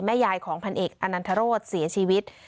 ยายของพันเอกอนันทรศเสียชีวิต